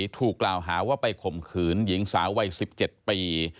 ถูกกล่าวหาว่าไปข่มขืนหญิงสาววัย๑๗ปี